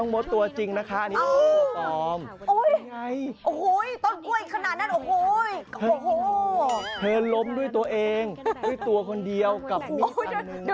แบบคนเดียวด้วย